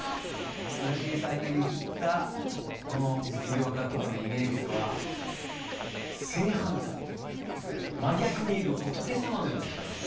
村重さんが言った実業家とかのイメージとは正反対真逆にいる仏様のような人なんです。